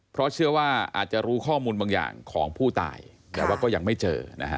เพราะเชื่อว่าอาจจะรู้ข้อมูลบางอย่างของผู้ตายแต่ว่าก็ยังไม่เจอนะฮะ